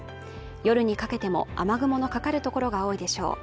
夜にかけても雨雲のかかるところが多いでしょう。